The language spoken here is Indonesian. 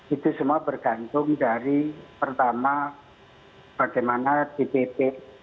itu semua bergantung dari pertama bagaimana dpp